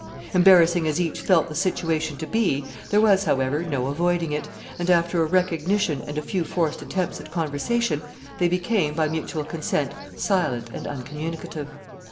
Embarrassing as each felt the situation to be, there was, however, no avoiding it, and, after a recognition and a few forced attempts at conversation, they became, by mutual consent, silent and uncommunicative.